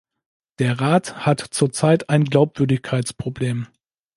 Der Rat hat zurzeit ein Glaubwürdigkeitsproblem.